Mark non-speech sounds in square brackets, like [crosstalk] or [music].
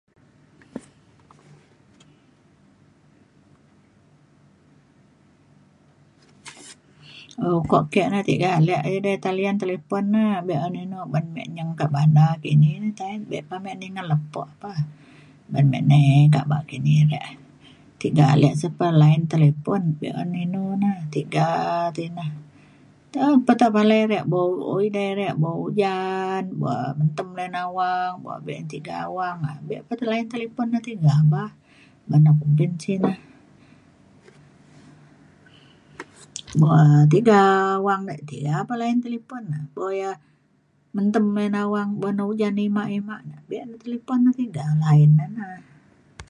um ukok ke le tiga ale talian talipon na be’un inu ban me nyeng kak bandar dini na taen. be pa ina lepo pah ban me nai kaba kini re yak tiga se pe line talipon be’un inu na tiga te ina. um patah balik re buk ida re buk ujan buk mentem layan awang buk be’un tiga awang be pa line talipon na tiga bah ban na kumbin ce na. buk tiga awang tiga pa layan line talipon mentem layan awang buk na ujan ima ima na be’un kelipau ngan ida [unintelligible] ida na.